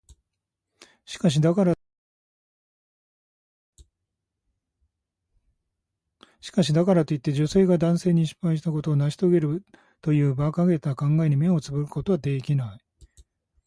しかし、だからといって、女性が男性が失敗したことを成し遂げるという馬鹿げた考えに目をつぶることはできない。